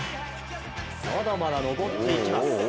まだまだ登っていきます